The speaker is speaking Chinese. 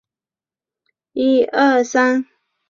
屈埃拉。